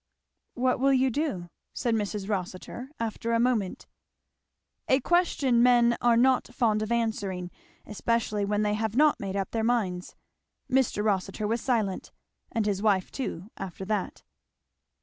"What will you do?" said Mrs. Rossitur after a moment A question men are not fond of answering, especially when they have not made up their minds. Mr. Rossitur was silent, and his wife too, after that.